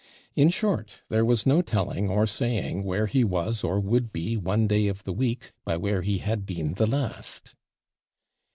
In short, there was no telling or saying where he was or would be one day of the week, by where he had been the last.'